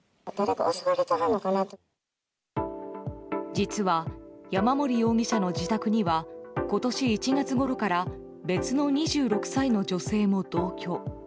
実は、山森容疑者の自宅には今年１月ごろから別の２６歳の女性も同居。